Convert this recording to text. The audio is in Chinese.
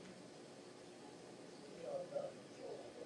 著名诗人李商隐就曾在周墀之华州幕下。